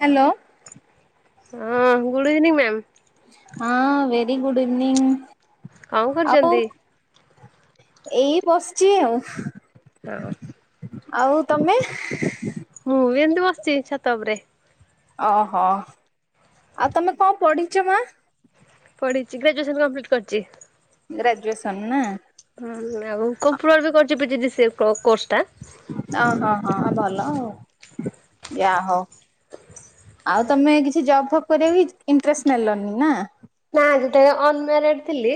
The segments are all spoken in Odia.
ହ୍ୟାଲୋ। ହଁ ଗୁଡ଼୍ ଇଭିନିଂ ମ୍ୟାମ୍। ହଁ ଭେରି ଗୁଡ୍ ଇଭିନିଂ। କଣ ଆଉ କରୁଛନ୍ତି। ଏଇ ବସିଚି ଆଉ। ହାଲୋ। ଆଉ ତମେ ମୁଁ ବି ଏମିତି ବସିଚି ଛାତ ଉପରେ। ଓହୋ ଆଉ ତମେ କଣ ପଢି଼ଛ ମାଆ? ପଢି଼ଚି ଗ୍ରାଜୁଏସନ କମ୍ପ୍ଲିଟି କରିଛି। ଗ୍ରାଜୁଏସନ୍ ନା? ହଁ ଆଉ କମ୍ପ୍ୟୁଟର ବି କରିଛି ପି ଜି ଡ଼ି ସିଏ କୋ କୋର୍ସ ଟା। ଅ ହଁ ହଁ ଭଲ ଆଉ ଯାହଉ। ଆଉ ତମେ କିଛି ଜବ ଫବ କରିବା କୁ ଇନ୍ତ୍ରେଷ୍ଟ ନେଲନି ନା? ନା ଯେତେବେଳେ ଅନମ୍ୟାରେଡ ଥିଲି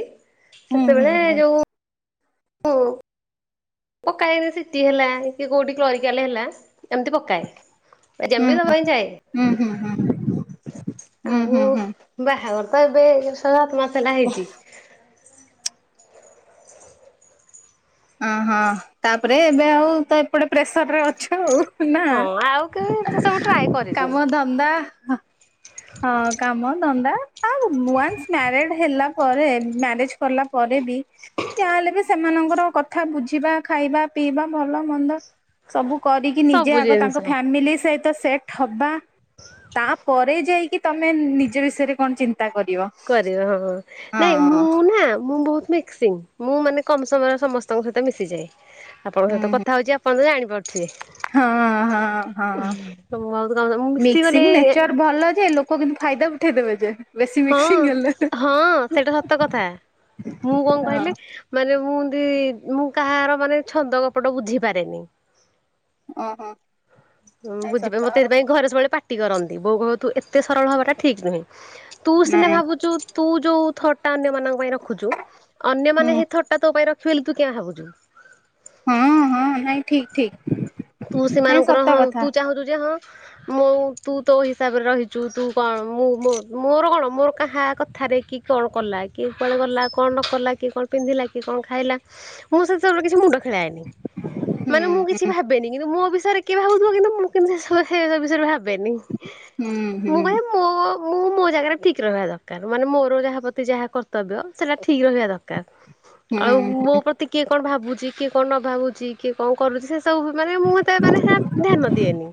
ହୁଁ ହୁଁ ସେତେବେଳେ ହୁଁ। ଯୋଉଁ ଉଁ ପକାଏ ଧର ସିଟି ହେଲା କି କୋଉଠି କ୍ଲୋରିକାଲ ହେଲା ଏମିତି ପକାଏ। ହୁଁ ଏକ୍ଜାମ ବି ଦବା ପାଇଁ ହୁଁ ହୁଁ ହୁଁ ହୁଁ ଯାଏ ହୁଁ ହୁଁ ଆଉ ହୁଁ। ବାହାଘର ହଁ ଏବେ ଛଅ, ସାତ ମାସ ହେଲା ହେଇଛି। ଅହୋ ତାପରେ ଏବେ ଆଉ ତ ଏପଟେ ପ୍ରେସର ରେ ଅଛୁ ଆଉ। ହଁ ଆଉ କେବେ ସେ ସବୁ ଟ୍ରାଏ ନାଁ କରିନି କାମ ଧନ୍ଦା। ହଁ କାମ ଧନ୍ଦା ଆଉ ନୂଆ ମାର୍ରଡେ। ହେଲା ପରେ ମ୍ୟାରେଜ କଲା ପରେ ବି ଯାହେଲେ ବି ସେମାନଙ୍କର କଥା ବୁଝିବା ଖାଇବା ପିଇବା ଭଲ ମନ୍ଦ ସବୁ କରିକି ନିଜେ ସବୁ ଆଗ ତାଙ୍କ ଜିନିଷ ଫ୍ୟାମିଲି ସହିତ ସେଟ ହବା ତାପରେ ଯାଇକି ତମେ ନିଜ ବିଷୟରେ କଣ ଚିନ୍ତା କରିବ କରିହବ? ହଁ ହଁ ନାଇଁ ମୁଁ ନା ମୁଁ ବହୁତ ମିକ୍ସିଙ୍ଗ ମୁଁ ମାନେ କମ ସମୟରେ ସମସ୍ତଙ୍କ ସହିତ ମିଶିଯାଏ ଆପଣଙ୍କ ହୁଁ ସହିତ ହୁଁ କଥା ହଉଛି ଆପଣ ତ ଜାଣି ପାରୁଥିବେ? ଥିବେ? ହଁ ହଁ ହଁ ବହୁତ କମ ମୁଁ ମିଶିଗଲେ ମିକ୍ସିଂ ନେଚର ଭଲ ଯେ ଲୋକ କିନ୍ତୁ ଫାଇଦା ଉଠେଇ ଦେବେ ଯେ। ବେଶୀ ହଁ ମିକ୍ସିଂ ହେଲେ ହଁ ସେଇଟା ସତ କଥା। ମୁଁ କଣ ହଁ କହିଁଲି ମାନେ ମୁଁ ସେଇ ମୁଁ କାହାର ମାନେ ଛନ୍ଦ କପଟ ବୁଝି ପାରେନି। ଓ ହୋ। ଓଁ ବୁଝିବା ମତେ ସେଥିପାଇଁ ଘରେ ସବୁବେଳେ ପାଟି କରନ୍ତି। ବୋଉ କହୁ ତୁ ଏତେ ସରଳ ହବାଟା ଠିକ ନୁହେଁ। ତୁ ସିନା ନାଇଁ ଭାବୁଚୁ ତୁ ଯୋଉ ଥଟା ନ ତମମାନଙ୍କ ପାଇଁ ରଖୁଛୁ ହୁଁ ଅନ୍ୟମାନେ ହେ ଏଥରଟା ତୋପାଇଁ ରଖିବେ ବୋଲି ତୁ କିଆଁ ଭାବୁଛୁ? ହଁ ହଁ ନାଇଁ ଠିକ୍ ଠିକ୍। ତୁ ସେମାନଙ୍କର ହଁ ତୁ ଚାହୁଁଛୁ ଯେ ହଁ। ମୁଁ ତୁ ତୋ ହିସାବରେ ରହିଛୁ ତୁ କଣ ମୁଁ ମୋର କଣ ମୋର କାହା କଥା ଆରେ କି କଣ କଲା କି ଗଲା କଣ ନ କଲା କି କଣ ପିନ୍ଧିଲା କି କଣ ଖାଇଲା ମୁଁ ସେ ସବୁ ରେ କିଛି ମୁଁଣ୍ଡ ଖେଳା ଖେଳାଏନି ହୁଁ ମାନେ ମୁଁ କିଛି ଭାବେ କିନ୍ତୁ ମୋ ବିଷୟରେ କିଏ ଭାବୁଥିବ କିନ୍ତୁ ମୁଁ ସେ ବିଷୟରେ କେବେବି ଭାବିନି। ବେନି ହୁଁ ମୁଁ ହୁଁ କୁହେ ମୋ ମୁଁ ମୋ ଜାଗାରେ ଠିକ ରହିବା ଦରକାର ମାନେ ମୋର ଯାହା ପ୍ରତି ଯାହା କର୍ତ୍ତବ୍ୟ ସେଟା ଠିକ ରହିବା ଦରକାର। ହୁଁ ଆଉ ହୁଁ ମୋ ପ୍ରତି କିଏ କଣ ଭାବୁଛି କିଏ କଣ ନ ଭାବୁଛି କିଏ କଣ କରୁଛି ସେ ସବୁ ପ୍ରକାର ମୁଁ ତା ମାନେ ହେଲ୍ପ ଧ୍ୟାନ ଦିଏ ନି।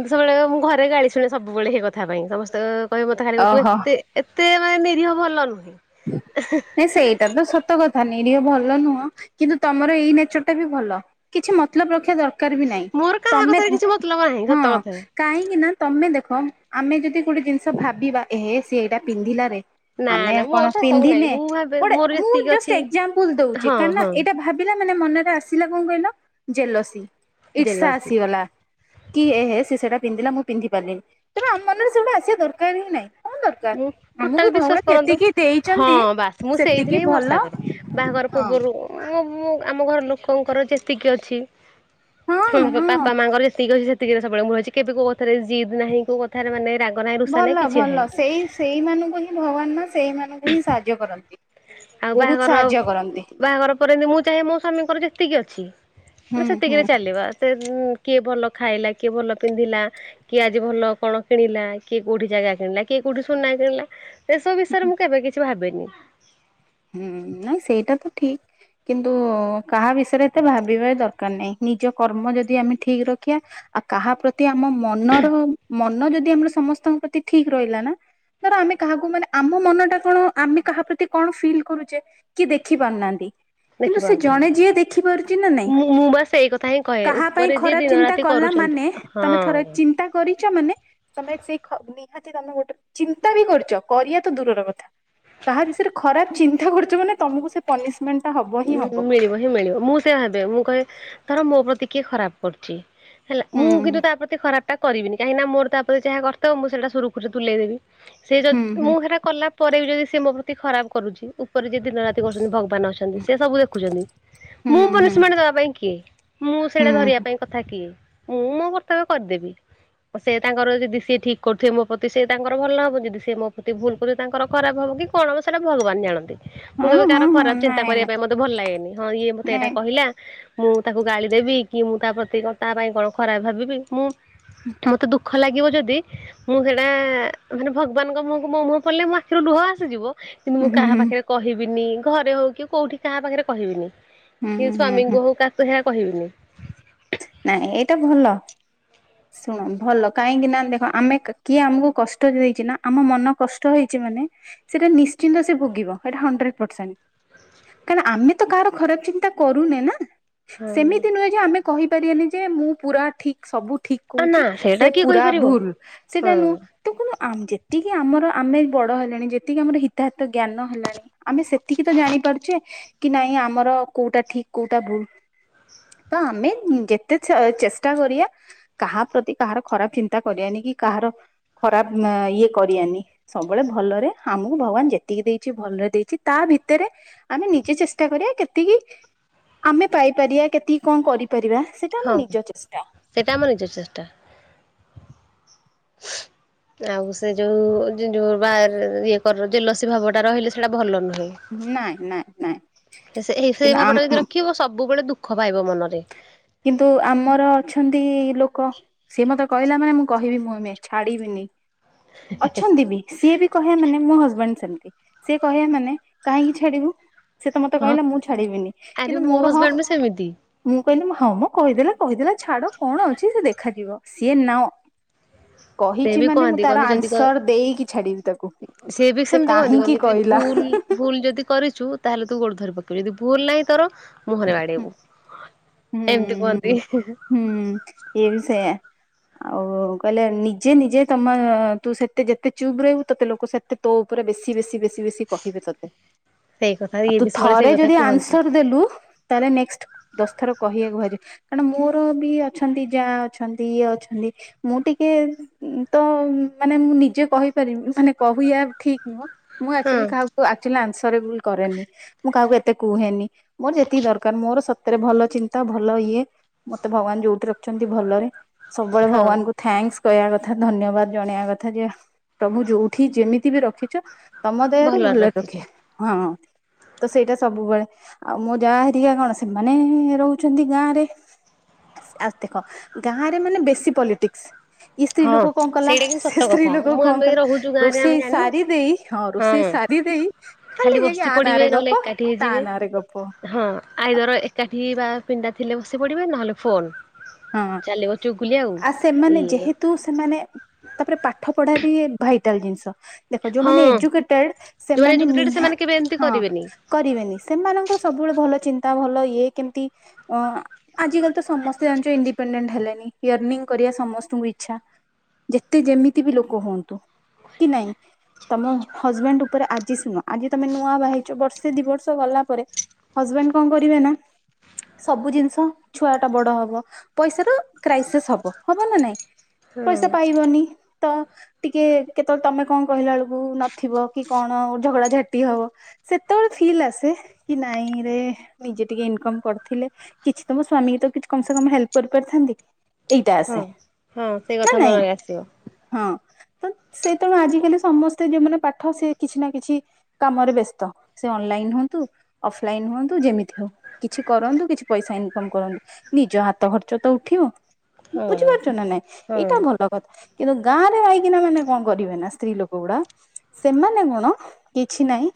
ମୁଁ ସବୁବେଳେ ଘରେ ଗାଳି ଶୁଣେ ସବୁବେଳେ ଏହି କଥା ପାଇଁ ସମସ୍ତେ କହିବେ ମତେ ଖାଲି କହୁଥିବେ ତୁ ଓହୋ ଏତେ ଏତେ ମାନେ ନୀରିହ ଭଲ ନୁହେଁ। ସେଇଟା ତ ସତକଥା। ନିରୀହ ଭଲ ନୁହଁ କିନ୍ତୁ ତମର ଏଇ ନେଚର ଟା ବି ଭଲ କିଛି ମତଲବ ରଖିବା ଦରକାର ଦରକାର ବି ନାହିଁ ମୋର କାହା ତମେ କଥାରେ କିଛି ମତଲବ ନାହିଁ ହଁ ସତ କଥା। କାହିଁକିନା ତମେ ଦେ ହଁ ଆମେ ଯଦି ଗୋଟେ ଜିନିଷ ଭାବିବା ଏହେ ସିଏ ଏଇଟା ପିନ୍ଧିଲାରେ ନା ନା ମୁଁ ତ ସବୁ ନାହିଁ ଦିନେ ଗୋଟେ ମୁ ଜଷ୍ଟ ଏକ୍ସାମ୍ପଲେ ଦଉଛି ହଁ କନ୍ ହଁ ଏଇଟା ଭାବିଲା ମାନେ ମନରେ ଆସିଲା କଣ କହିଲ ଜେଲସ ଇର୍ଷା ଜେଲସି ଆସିଗଲା । କି ଏ ହେ ସେଟା ପିନ୍ଧିଲା ମୁଁ ପିନ୍ଧି ପାରିଲିନି ତେଣୁ ଆମ ମନରେ ସେଇୁଟା ଆସିବା ଦରକାର ହିଁ ନାହିଁ । କଣ ଦରକାର ମୁଁ ଆମକୁ ଟୋଟାଲ ବିଶ୍ଵାସ ଭଗବାନ କରନ୍ତୁ ଯେତିକି ହଁ ଦେଇଛନ୍ତି ବାସ ମୁଁ ସେଇଥିରେ ସେତିକି ହିଁ ଭରସା ଭଲ କରେ ବାହାଘର ହଁ ପୂର୍ବରୁ ଆମ ଆମ ଘର ଲୋକଙ୍କର ଯେତିକି ଅଛି ହଁ ହଁ ବାପା ମାଙ୍କର ଯେତିକିଅଛି ସେତିକି ସେତିକି ସବବେଳେଳ ଅଛି କିନ୍ତୁ କୋଉ କଥା ରେ ଜିଦ୍ ନାହିଁ କଉ କଥାରେ ମାନେ ରାଗ ନାହିଁ ରୁଷା ହିଁ ଭଲ କିଛି ନାହିଁ ଭଲ । ସେଇ ସେଇମାନଙ୍କୁ ହିଁ ଭଗବାନ ମା ସେଇମାନଙ୍କୁ ହିଁ ସାହାଯ୍ୟ କରନ୍ତି । ଆଉ ବାହାଘର, ବାହାଘର ପରେ ଏମତି ମୁଁ ଚାହେଁ ମୋ ସ୍ଵାମୀଙ୍କର ଯେତିକି ଅଛି ହୁଁ ହୁଁ ସେତିକିରେ ହୁଁ ଚାଲିବା କିଏ ଭଲ ଖାଇଲା, କିଏ ଭଲ ପିନ୍ଧିଲା, କିଏ ଆଜି ଭଲ କଣ କିଣିଲା, କିଏ କୋଉଠି ଜାଗା କିଣିଲା, କିଏ କୋଉଠି ସୁନା କିଣିଲା, ସେସବୁ ବିଷୟରେ ମୁଁ କେବେ କିଛି ଭାବିନି । ହୁଁ ନା ସେଇଟ ତ ଠିକ । କିନ୍ତୁ କାହା ବିଷୟରେ ଏତେ ଭାବିବା ଦରକାର ନାହିଁ ନିଜ କର୍ମ ଯଦି ଆମେ ଠିକ ରଖିବା ଆଉ କାହା ପ୍ରତି ଆମ ମନର ମନ ଯଦି ଆମର ସମସ୍ତଙ୍କ ପ୍ରତି ଠିକ ରହିଲା ନା ଧର ଆମେ କାହାକୁ ମାନେ ଆମ ମନ ଟା କଣ ଆମେ କାହା ପ୍ରତି କଣ ଫିଲ୍ କରୁଛେ କି ଦେଖି ପାରୁନାହାନ୍ତି । କିନ୍ତୁ ସେ ଜଣେ ଦେଖିପାରୁନାହାନ୍ତି ଯିଏ ଦେଖିପାରୁଛି ନା ନାଇଁ ମୁଁ ମୁଁ ବା ସେଇ କଥା ହିଁ କହେ କାହା ପାଇଁ ଉପରେ ଯିଏ ଖରାପ ଦିନ ଚିନ୍ତା ରାତି କଲା କରୁଛନ୍ତି ମାନେ ତମେ ଥର ହଁ। ଚିନ୍ତା କରିଛ ମାନେ, ତମେ ସେଇ ନିହାତି ତମେ ଗୋଟେ ଚିନ୍ତା ବି କରୁଛ କରିବା ତ ଦୂରର କଥା, କାହା ବିଷୟରେ ଖରାପ ଚିନ୍ତା କରୁଛମାନ ତମକୁ ସେ ପନିସ ଉଁ ମିଳିବ ହିଁ ମିଳିବ ମୁଁ ସେ ଭାବେ ମୁଁ କହେ ଧର ମୋ ପ୍ରତି କିଏ ଖରାପ କରୁଛି ହେଲା ହୁଁ ମୁଁ କିନ୍ତୁ ତା ପ୍ରତି ଖରାପ ଟା କରିବିନି, କାହିଁକିନା ମୋର ତାପ ପ୍ରତି ଯହା କର୍ତ୍ତଵ୍ୟ ମୁଁ ସେଟା ସୁରୁଖରୁ ତୁଲେଇ ଦେବି । ସେ ଯ ହୁଁ ହୁଁ ମୁଁ ସେଟ କଲା ପରେ ବି ଯଦି ସେ ମୋ ପ୍ରତି ଖରାପ କରୁଛି, ଉପରେ ଯ ଦିନ ରାତି କରୁଛନ୍ତି ଭଗବାନ ଅଛନ୍ତି । ସେ ସବୁ ଦେଖୁଛନ୍ତି ହୁଁ ମୁଁ ହୁଁ ପନିଶମେଣ୍ଟ ଦବା ପାଇଁ କିଏ ମୁଁ ହୁଁ ସେଇଟା ଧରିବା ପାଇଁ କଥା କିଏ । ମୁଁ ମୋ କର୍ତ୍ତବ୍ୟ କରିଦେବି ସେ ତାଙ୍କର ଯଦି ସିଏ ଠିକ୍ କରୁଥିବ ମୋ ପ୍ରତି ସେ ତାଙ୍କର ଭଲ ନ ହବ ଯଦି ସିଏ ମୋ ପ୍ରତି ଭୁଲ କରୁଥିବେ ତାଙ୍କର ଖରାପ ହବ । ଆ କି କଣ ହବ ସେଟା ଭଗବାନ ଜାଣନ୍ତି । ମୁଁ କ ଏବେ ହଁ ହଁ କାହାର ହଁ ଖରାପ ଚିନ୍ତା ନାଇଁ କରିବା ନାଇଁ ପାଇଁ ମତେ ଭଲ ଲାଗେନି ହଁ ଇଏ ମତେ ଏଇଟା ନାଇଁ କହିଲା ମୁଁ ତାକୁ ଗାଳି ଦେବି କି ମୁଁ ତା ପ୍ରତି ତା ପାଇଁ କଣ ଖରାପ ଭାବିବି ମୁଁ ମତେ ଦୁଃଖ ଦୁଃଖ ଲାଗିବ ଯଦି ମୁଁ ସେଇଟା ମାନେ ଭଗବାନଙ୍କ ମୁହଁକୁ ମୋ ମୁହଁ ପଡ଼ିଲେ ମୋ ଆଖିରୁ ଲୁହ ଆସିଯିବ କିନ୍ତୁ ମୁଁ ହୁଁ କାହା ହୁଁ ପାଖରେ କହିବିନି ଘରେ ହଉ କି କୋଉଠି କାହା ପାଖରେ କହିବିନି ହୁଁ କି ହୁଁ ହୁଁ ସ୍ଵାମୀଙ୍କୁ ହଉ କାକୁ ସେ କହିବିନି ନାଇଁ ଏଇଟା ଭଲ । ଶୁଣ ଭଲ, କାହିଁକି ନା ଦେଖ ଆମେ କିଏ ଆମକୁ କଷ୍ଟ ଦେଇଛି ନା, ଆମ ମନ କଷ୍ଟ ହେଇଛି ସେଟା ନିଶ୍ଚିନ୍ତ ସେ ଭୋଗିବ ସେଟା ହନ୍ଦ୍ରେଡ ପର୍ସେଣ୍ଟ । କାଁକ ଆମେ ତ କାହାର ଖରାପ ଚିନ୍ତା କରୁନେ ନା । ହଁ ସେମିତି ନୁହେଁ ଯେ ଆମେ କହିପାରିବାନି ଯେ ମୁଁ ପୁରା ଠିକ ସବୁ ଠିକ ଆ ନା କହୁଛି ସେଇଟା ସେ କିଏ ପୁରା କହିପାରିବ? ଭୁଲ, ହଁ ସେଟା ନୁହଁ ତ କନ୍ତୁ ଯେତିକି ଆମର ଆମେ ବଡ ହେଲେଣି ଯେତିକି ଆମର ହିତାହିତ ଜ୍ଞାନ ହେଲାଣି ଆମେ ସେତିକି ତ ଜାଣିପାରୁଛେ କି ନାଇଁ ଆମର କୋଉଟା ଠିକ କୋଉଟା ଭୁଲ ତ ଆମେ ଯେତେ ଚେଷ୍ଟା କରିବାଆ କାହା ପ୍ରତି କାହାର ଖରାପ ଚିନ୍ତା କରିବାନି କି କାହାର ଖରାପ ଇଏ କରିବନି ସବୁବେଳେ ଭଲରେ ଆମକୁ ଭଗବାନ ଯେତିକି ଦେଇଛି ଭଲରେ ଦେଇଛି ତା ଭିତରେ ଆମେ ନିଜେ ଚେଷ୍ଟା କରିବା କେତିକି ଆମେ ପାଇପାରିବା, କେତିକି କଣ କରିପାରିବା, ସେଇଟା ହଁ ଆମ ନିଜ ଚେଷ୍ଟା । ସେଇଟା ଆମ ନିଜ ଚେଷ୍ଟା। [inaudible] ଆଉ ସେ ଯୋଉ ଯୋଉ ବା ଇଏ କର ଜେଲସି ଭାବଟା ରହିଲେ ସେଇଟା ଭଲ ନୁହେଁ ନାଇଁ ନାଇଁ ନାଇଁ । ସେଇ କିନ୍ତୁ ଆମ ଭାବଟା ଯଦି ରଖିବ ସବୁବେଳେ ଦୁଃଖ ପାଇବ ମନରେ। କିନ୍ତୁ ଆମର ଅଛନ୍ତି । ଲୋକ ସିଏ ମତେ କହିଲା ମାନେ ମୁଁ କହିବି ମୁହେଁ ମୁହେଁ ଛାଡିବିନି । ଅଛନ୍ତି ବି ସିଏ ବି କହେ ମାନେ ମୁଁ ହଜ ସେମତି ସେ କହିବା ମାନେ କାହିଁକି ଛାଡିବୁ? ସେ ତ ମତେ ହଁ କହିଲା ମୁଁ ଛାଡିବିନି ଆରେ କିନ୍ତୁ ମୋ ମୋର ହଜବେଣ୍ଡ ହକ୍ ବି ସେମିତି କହିଲେ ହଉ ମ କହିଦେଲେ କହିଦେଲା ଛାଡ କଣ ଅଛି ସେ ଦେଖାଯିବ, ସିଏ ନାଅ ସେ କହିଛି ବି ମାନେ ମୁଁ କହନ୍ତି ତାର କହନ୍ତି ଯଦି କ ଆନ୍ସର ଦେଇକି ଛାଡିବି ତାକୁ ସିଏ ବି ସେ ସେମିତି କହନ୍ତି କାହିଁକି କହନ୍ତି ଯଦି କହିଲା? ଭୁଲ ଭୁଲ ଯଦି କରିଛୁ ତାହେଲେ ତୁ ଗୋଡ ଧରିପକେଇବୁ ଯଦି ଭୁଲ ନାହିଁ ତୋର ମୁହଁରେ ହୁଁ ବାଡେଇବୁ ହୁଁ ଏମତି ହୁଁ କୁହନ୍ତି। ହୁଁ ଇଏ ବି ସେଇୟା। ଆଉ କହିଲେ ନିଜେ ନିଜେ ତମ ତୁ ସେତେ ଯେତେ ଚୁପ୍ ରହିବୁ ତତେ ଲୋକ ସେତେ ତୋ ଉପରେ ବେଶୀ ବେଶୀ ବେଶୀ ବେଶୀ କହିବେ ତତେ। ସେଇ କଥା ଆଉ ଇଏ ତୁ ବି ସବୁବେଳେ ଥରେ ସେଇ କଥା ଯଦି କୁହନ୍ତି। ଆନ୍ସର ଦେଲୁ ତାହେଲେ ନେକ୍ସଟ ଦଶ ଥର କହିବାକୁ ଭାରି କାରଣ ମୋର ବି ଅଛନ୍ତି ଯା ଅଛନ୍ତି ଇଏ ଅଛନ୍ତି। ମୁଁ ଟିକେ ତ ମାନେ ମୁଁ ନିଜେ କହିପାରିବି ମାନେ କହିବା ଠିକ ନୁହଁ। ମୁଁ ହଁ ଏକ୍ଟୁଆଲୀ କାହାକୁ ଏକ୍ଟୁଆଲି ଅନ୍ସରେବୁଲ କରେନି। ମୁଁ କାହାକୁ ଏତେ କୁହେନି। ମୋର ଯେ ତିକି ଦରକାର ମୋର ସତରେ ଭଲ ଚିନ୍ତା ଭଲ ଇଏ ମତେ ଭଗବାନ ଯୋଉଠି ରଖିଛନ୍ତି ଭଲରେ। ସବୁବେଳେ ହଁ ଭଗବାନଙ୍କୁ ଥ୍ୟାଙ୍କ୍ସ। କହିବା କଥା ଧନ୍ୟବାଦ ଜଣେଇବା କଥା ଯେ ପ୍ରଭୁ ଯୋଉଠି ଯେମିତି ବି ରଖିଛ ତମ ଦେହରୁ ଭଲରେ ରଖେ ହଁ ତ ସେଇଟା ସବୁବେଳେ। ଆଉ ମୁଁ ଯା ହେରିକା କଣ ସେମାନେ-ଏ-ଏ-ଏ ରହୁଛନ୍ତି ଗାଁ ରେ। ଆ ଦେଖ ଗାଁ ରେ ମାନେ ବେଶୀ ପଲିଟିକ୍ସ। ଇ ସ୍ତ୍ରୀ ହଁ ଲୋକ କଣ କଲା ସେଇଟା କିନ୍ତୁ ସେ ସତ ସ୍ତ୍ରୀ କଥା ଲୋକ ମୁଁ କଣ ଆମେ କଲା ରହୁଛୁ ଗାଁରେ ଆମେ ରୋଷେଇ ଜାଣିନୁ ସାରି ଦେଇ ହଁ ରୋଷେଇ ସାରି ଦେଇ ଖାଲି ଯାଇକି ବସି ଆ ପଡିବେ ନାଁରେ ଗପ ନହେଲେ ଏକାଠି ତା ହେଇଯିବେ ନାଁରେ ଗପ। ହଁ ଆଇଦର ଏକାଠି ବା ପିଣ୍ଡା ଥିଲେ ବସି ପଡିବେ ନହେଲେ ଫୋନ। ହଁ ଚାଲିବ ଚୁଗୁଲୀ ଆଉ ଇଏ କିନ୍ତୁ ସେମାନେ ତାପରେ ପାଠ ପଢା ବି ଭାଇଟାଲ ଜିନିଷ। ଦେଖ ହଁ ଯୋଉମାନେ ଏଜୁକେଟେଡ ଯୋଉମାନେ ସେମାନେ ଏଜୁକେଟେଡ ନିହା ସେମାନେ କେବେ ଏମିତି ହଁ କରିବେନି କରିବେନି ସେମାନଙ୍କର ସବୁବେଳେ ଭଲ ଚିନ୍ ତା ଭଲ ଇଏ କେମିତି ଅ ଆଜିକାଲି ତ ସମସ୍ତେ ଜାଣିଛ ଇଣ୍ଡିପେଣ୍ଡେଣ୍ଟ ହେଲେନି ୟର୍ନିଂ କରିବା ସମସ୍ତଙ୍କୁ ଇଛା। ଯେତେ ଯେମିତି ବି ଲୋକ ହୁଅନ୍ତୁ କି ନାଇଁ ତମ ହଜବେଣ୍ଡ ଉପରେ, ଆଜି ଶୁଣ ଆଜି ତମେ ନୂଆ ବାହା ହେଇଛ ବର୍ଷେ ଦି ବର୍ଷ ଗଲା ପରେ ହଜବେଣ୍ଡ କଣ କରିବେ ନା ସବୁ ଜିନିଷ ଛୁଆ ଟା ବଡ ହ ବ ପଇସାର କ୍ରାଇସେସ୍ ହବ ହବ ନା ନାଇଁ। ହଁ ପଇସା ପାଇବନି ତ ଟିକେ କେତେବେଳେ ତମେ କଣ କହିଲା ବେଳକୁ ନଥିବ କି କଣ ଝଗଡ଼ା ଝାଟି ହବ ସେତେବେଳେ ଫିଲ୍ ଆସେ କି ନାଇଁରେ ନିଜେ ଟିକେ ଇନକମ୍ କର ଥିଲେ କିଛି ତ ମୋ ସ୍ଵାମୀ ତ କିଛି କମ ସେ କମ ହେଲ୍ପ କରିପାରିଥାନ୍ତି ଏଇଟା ହଁ ଆସେ। ହଁ ସେଇ ନା କଥା ନାଇଁ ମନରେ ଆସିବ। ହଁ ତ ସେ ତେଣୁ ଆଜିିକାଲି ସମସ୍ତେ ଯୋଉ ମାନେ ପାଠ ସେ କିଛି ନା କିଛି କାମରେ ବ୍ୟସ୍ତ। ସେ ଅନଲାଇନ ହୁଅନ୍ତୁ ଅଫଲାଇନ ହୁଅନ୍ତୁ ଯେମିତିବି ହଉ କିଛି କରନ୍ତୁ କିଛି ପଇସା ଇନକମ କରନ୍ତୁ। ନିଜ ହାତ ଖର୍ଚ୍ଚ ତ ଉଠିବ। ହଁ ବୁଝିପାରୁଛ ନା ନାଇଁ ହଁ ଏଇଟା ଭଲ କଥା କିନ୍ତୁ ଗାଁ ରେ ମାଇକିନା ମାନେ କଣ କରିବେ ନା ସ୍ତ୍ରୀ ଲୋକ ଗୁଡା ହ। ସେମାନେ ଗୁଣ କିଛି ନାଇଁ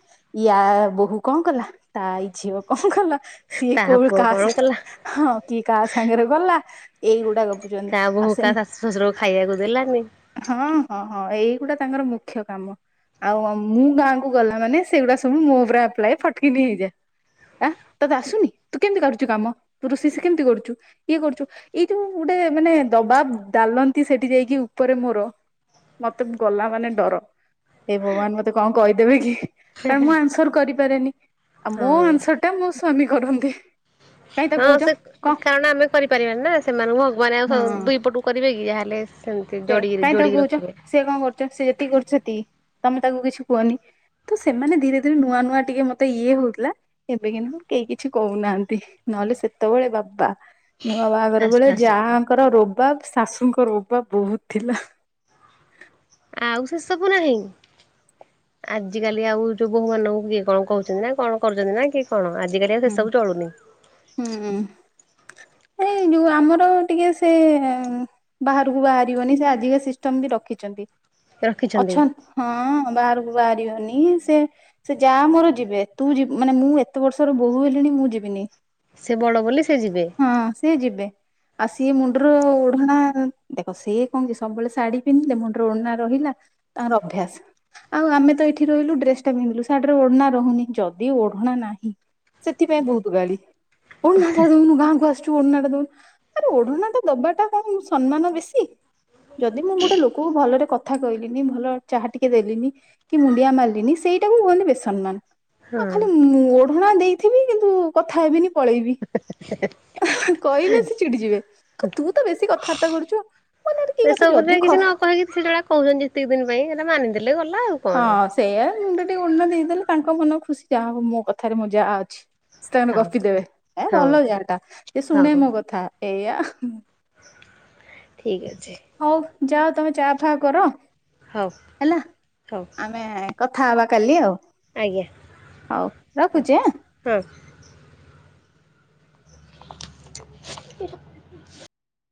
ୟା ବୋହୂ କଣ କଲା ତା ଇ ଝିଅ କଣ କଲା। ସିଏ ତା କୋଉ ପୁଅ କାହା କଣ ସାଙ୍ଗ କଲା ହଁ କିଏ କାହା ସାଙ୍ଗରେ ଗଲା ଏଇଗୁଡାକ ଗପୁଛନ୍ତି ତା ଆଉ ବୋହୂ ସେ କା ଶାଶୁ ଶ୍ୱଶୁରକୁ ଖାଇବାକୁ ଦେଲାନି ହଁ ହଁ। ହଁ ଏଇଗୁଡା ତାଙ୍କର ମୁଖ୍ୟ କାମ। ଆଉ ମୁଁ ଗାଁକୁ ଗଲା ମାନେ ସେଗୁଡା ସବୁ ମୋ ଉପରେ ଆପ୍ଲାଏ ଫଟକିନି ହେଇଯାଏ। ଆ ତତେ ଆସୁନି ତୁ କେମିତି କାରୁଛୁ କାମ ତୁ ରୋଷେଇ କେମିତି କରୁଛୁ ଇଏ କରୁଛୁ ଏଇ ଯୋଉ ଗୋଟେ ମାନେ ଦବାବ ଡାଲନ୍ତି ସେଠି ଯାଇକି ଉପରେ ମୋର ମତେ ଗଲା ମାନେ ଡର ଏ ଭଗବାନ ମତେ କଣ କହିଦେବେ କି କାରଣ ମୁଁ ଆନ୍ସର କରିପାରେନି। ଆଉ ମୋ ହଁ ଆନ୍ସର ଟା ମୋ ସ୍ଵାମୀ କରନ୍ତି। କାହିଁ ତାକୁ ହଁ କହୁଛ ସେ କ କଣ କାରଣ ଆମେ କରିପାରିବାନି ନା ସେମାନଙ୍କୁ ଭଗବାନ ଆଉ ହଁ ଦୁଇ ପଟକୁ କରିବେ କି ଯାହାହେଲେ। ସେମିତି ସେ ଯୋଡିକି କାହିଁ ତାକୁ ଯୋଡିକି କହୁଛ ରଖିବେ। ସେ କଣ କରୁଛ ସେ ଯେତିକି କରୁ ସେତିକି ତମେ ତାକୁ କିଛି କୁହନି। ତ ସେମାନେ ଧୀରେ ଧୀରେ ନୂଆ ନୂଆ ଟିକେ ମତେ ଇଏ ହଉଥିଲା ଏବେ କିନ୍ତୁ କେହି କିଛି କହୁନାହାନ୍ତି। ନହେଲେ ସେତେବେଳେ ବାବା ନୂଆ ବାହାଘର ଫାଷ୍ଟ ବେଳେ ଫାଷ୍ଟ। ଯାହାଙ୍କର ରୋବାବ ଶାଶୁଙ୍କ ରୋବାବ ବହୁତ ଥିଲା। ଆଉ ସେ ସବୁ ନାହିିଁ। ଆଜିକାଲି ଆଉ ଯୋଉ ବୋହୂ ମାନଙ୍କୁ କିଏ କଣ କହୁଛନି ନା କଣ କରୁଚନ୍ତି? ନା କି କଣ ଆଜିକାଲି ଆଉ ସେ ହୁଁ। ସବୁ ଚଳୁନି। ଏଇଁ ନୀ ଯଉ ଆମର ଟିକେ ସେ ବାହାରକୁ ବାହାରିବନି। ସେ ଆଜିକା ସିଷ୍ଟମ ବି ରଖିଛନ୍ତି। ରଖିଛନ୍ତି ଅଛନ୍ତ ହଁ ବାହାରୁ ବାହାରିବନି। ସେ ସେ ଯାଆ ମୋର ଯିବେ, ତୁ ଯିବୁ ମାନେ ମୁଁ, ଏତେ ବର୍ଷର ବୋହୂ ହେଲିଣି ମୁଁ ଯିବ ବିନି। ସେ ବଡ ବୋଲି ସେ ଯିବେ। ହଁ ସିଏ ଯିବେ। ଆଉ ସିଏ ମୁଣ୍ଡର ଓଢଣା ଦେଖ! ସିଏ କଣ କି ସବୁବେଳେ ଶାଢୀ ପିନ୍ଧିଲେ, ମୁଣ୍ଡର ଓଢଣା ରହିଲା। ହେଲା ତାର ଅଭ୍ୟାସ। ଆଉ ଆମେ ତ ଏଇଠି ରହିଲୁ ଡ୍ରେସ ଟା ପିନ୍ଧିଲୁ ଶାଢର ଓଢଣା ରହୁନି। ଯଦି ଓ ଓଢଣା ନାହିଁ। ସେଥିପାଇଁ ବହୁତ ଗାଳି ଓଢଣା ଦଉନୁ ଗାଁକୁ ବସଛୁ ଓଢଣା ଟା ଦଉନୁ! ଆରେ ଓଢଣା ଟା ଦବାଟା କଣ ସନ୍ମାନ ବେଶୀ? ଯଦି ମୁଁ ଗୋଟେ ଲୋକକୁ ଭଲରେ କଥା କହିଲିନି, ଭଲ ଚାହା ଟିକେ ଦେଲିନି, କି ମୁଣ୍ଡିଆ ମାରିଲିନି ସେ ଏଇଟାକୁ କୁହନ୍ତି ବେସନ୍ମାନ। ଆଉ ଖାଲି ମୁଁ ଓଢଣା ଦେଇଥିବି, କିନ୍ତୁ କଥା ହେବିନି ପଳେଇବି। କହିଲେ ସିଏ ଚିଡି ଯିବେ। କ ତୁ ତ ବେଶୀ କଥାବାର୍ତ୍ତା କରୁଛୁ। ମନରେ କି କଥା ସେସବୁରେ ଯଦି ଖ କିଛି ନ କହିକି ସେଯୋଉଡା କହୁଛନ୍ତି, ଯେତିକି ଦିନ ପାଇଁ ସେଟା ମାନିଦେଲେ ଗଲା। ଆଉ ହଁ କଣ। ସେଇଆ, ମୁଣ୍ଡରେ ଟିକେ ଓଢଣା ଦେଇଦେଲେ, ତାଙ୍କ ମନ ଖୁସି ଯାହା ହଉ ମୋ କଥାରେ ମୋ ଯା ଅଛି। ସେ ତାଙ୍କର ହଁ ଗପି ଦେବେ। ଏ ହଁ ଭଲ ଯାଟା ସେ ଶୁଣେ ହଁ ମୋ କଥା ଏଇଆ। ଠିକ୍ ଅଛି। ହଉ ଯାଅ ତମେ ଚା ଫା କର। ହଉ ହେଲା ହଉ ଆମେ କ କଥା ହବା କାଲି। ଆଉ ଆଜ୍ଞା ହଉ ହଉ ରଖୁଛି ଆଁ। ହଁ। ଏରା।